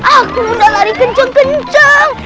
aku udah lari kenceng kenceng